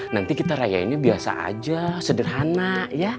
nanti kita rayainnya biasa aja sederhana ya